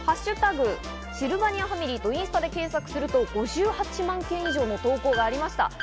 「＃シルバニアファミリー」とインスタで検索すると５８万件以上の投稿がありました。